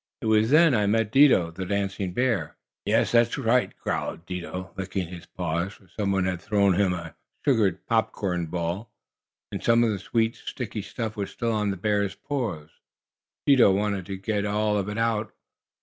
It was then I met Dido, the dancing bear." "Yes, that's right," growled Dido, licking his paws, for some one had thrown him a sugared popcorn ball, and some of the sweet, sticky stuff was still on the bear's paws. Dido wanted to get all of it off.